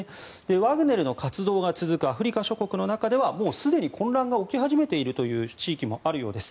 ワグネルの活動が続くアフリカ諸国の中ではもうすでに混乱が起き始めているという地域もあるようです。